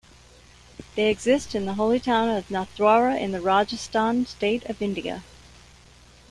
They exist in the holy town of Nathdwara in the Rajasthan state of India.